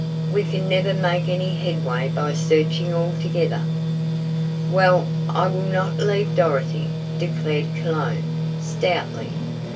"We can never make any headway by searching all together." "Well, I will not leave Dorothy," declared Cologne, stoutly.